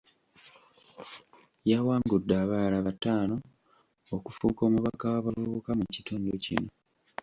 Yawangudde abalala bataano okufuuka omubaka w’abavubuka mu kitundu kino.